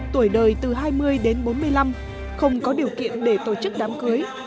tuổi đời từ hai mươi đến bốn mươi năm không có điều kiện để tổ chức đám cưới